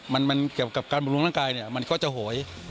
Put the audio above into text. มันเกี่ยวกับการบำรุงร่างกายเนี่ยมันก็จะโหย